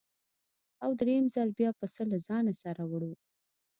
او درېیم ځل بیا پسه له ځانه سره وړو.